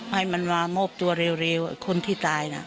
ให้มันมามอบตัวเร็วไอ้คนที่ตายน่ะ